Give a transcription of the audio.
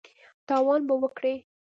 تاوان به وکړې !